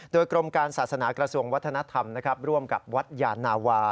โดยกรมการศาสนากระทรวงวัฒนธรรมร่วมกับวัดยานาวา